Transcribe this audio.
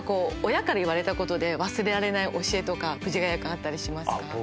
親から言われたことで忘れられない教えとか藤ヶ谷君あったりしますか？